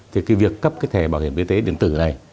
thì việc cấp thẻ bảo hiểm y tế điện tử này